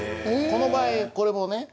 この場合これもね